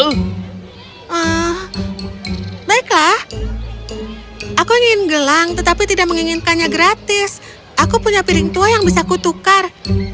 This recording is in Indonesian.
hmm baiklah aku ingin gelang tetapi tidak menginginkannya gratis aku punya piring tua yang bisa kutukar